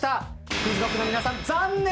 ＱｕｉｚＫｎｏｃｋの皆さん残念！